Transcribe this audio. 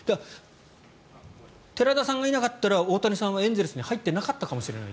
寺田さんがいなかったら大谷さんはエンゼルスに入っていなかったかもしれない。